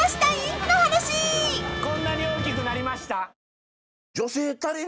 「こんなに大きくなりました」